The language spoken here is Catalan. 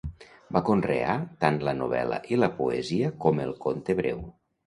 Va conrear tant la novel·la i la poesia com el conte breu.